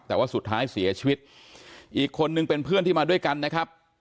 แต่ว่าสุดท้ายเสียชีวิตอีกคนนึงเป็นเพื่อนที่มาด้วยกันนะครับ